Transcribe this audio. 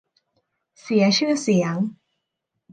เสียชื่อเสียง